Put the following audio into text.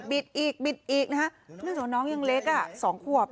อีกบิดอีกนะฮะเนื่องจากน้องยังเล็ก๒ขวบ